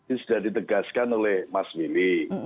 ini sudah ditegaskan oleh mas willy